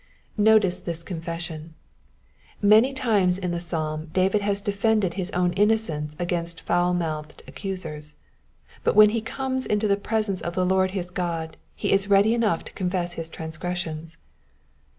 Notice this confession ; many times in the psalm David has defended his own innocence against foul mouthed accusers, but when he comes into the presence of the Lord his God he is ready enough to confess his transgressions.